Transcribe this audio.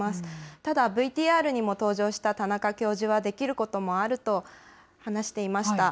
ただ、ＶＴＲにも登場した田中教授はできることもあると話していました。